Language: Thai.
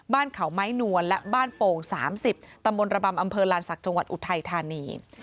บ้านเขาไม้นวลและบ้านโป่ง๓๐ตำบลระบำอำเภอลานศักดิ์จังหวัดอุทัยธานี